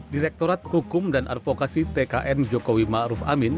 direktorat hukum dan advokasi tkn jokowi maruf amin